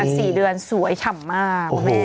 อืมนี่ขนาด๔เดือนสวยฉ่ำมากแม่โอ้โฮ